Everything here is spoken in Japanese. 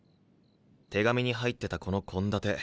手紙に入ってたこの献立。